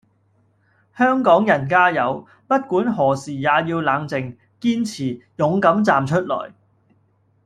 香港人加油！不管何時也要冷靜、堅持、勇敢站出來